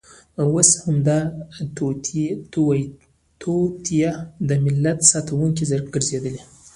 اوس همدا توطیه د ملت ساتونکې ګرځېدلې.